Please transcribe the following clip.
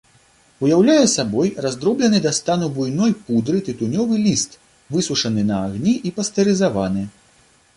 Уяўляе сабой раздроблены да стану буйной пудры тытунёвы ліст, высушаны на агні і пастэрызаваны.